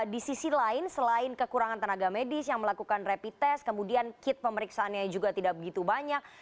di sisi lain selain kekurangan tenaga medis yang melakukan rapid test kemudian kit pemeriksaannya juga tidak begitu banyak